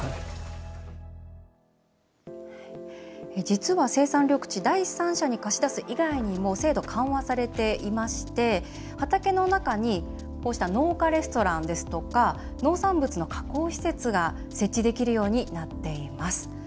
実は生産緑地第三者に貸し出す以外にも制度、緩和されていまして畑の中にこうした農家レストランですとか農産物の加工施設が設置できるようになっています。